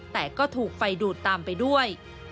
แต่ก็ถูกไฟดูดตามไปด้วย